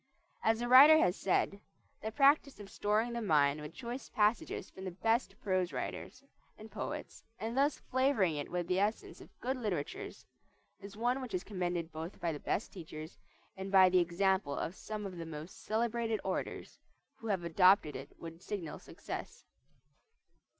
As a writer has said, "The practise of storing the mind with choice passages from the best prose writers and poets, and thus flavoring it with the essence of good literatures, is one which is commended both by the best teachers and by the example of some of the most celebrated orators, who have adopted it with signal success."